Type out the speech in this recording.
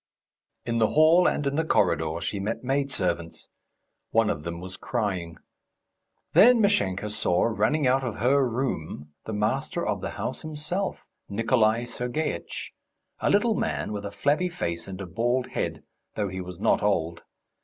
In the hall and in the corridor she met maid servants. One of them was crying. Then Mashenka saw, running out of her room, the master of the house himself, Nikolay Sergeitch, a little man with a flabby face and a bald head, though he was not old.